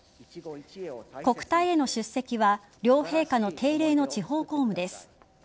国体への出席は両陛下の定例の地方公務です。